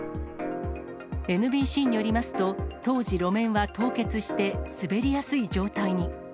ＮＢＣによりますと、当時路面は凍結して、滑りやすい状態に。